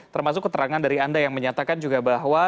termasuk keterangan dari anda yang menyatakan juga bahwa